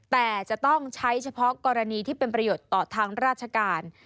แต่จะต้องใช้เฉพาะกรณีที่เป็นประโยชน์ต่อทางราชการ